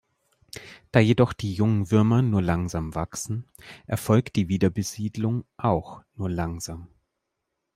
Da jedoch die jungen Würmer nur langsam wachsen, erfolgt die Wiederbesiedlung auch nur langsam.